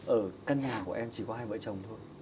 ở căn nhà của em chỉ có hai vợ chồng thôi